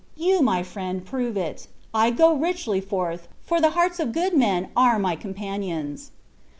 you, my friend, prove it. I go richly forth, for the hearts of good men are my companions."